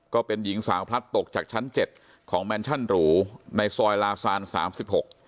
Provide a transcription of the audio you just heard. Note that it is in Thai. ก็เป็นหญิงสาวพลัดตกจากชั้นเจ็ดของแมนชั่นหรูในซอยลาซานสามสิบหก